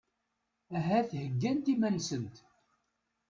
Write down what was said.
Ahat heggant iman-nsent.